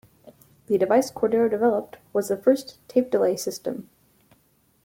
The device Cordaro developed was the first tape delay system.